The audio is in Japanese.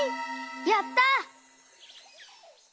やった！